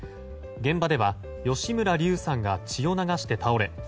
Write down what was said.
現場では吉村竜さんが血を流して倒れ